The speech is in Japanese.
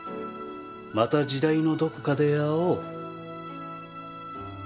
また時代のどこかで会おう。